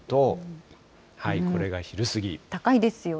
高いですよね。